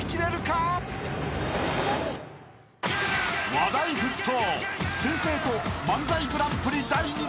［話題沸騰！］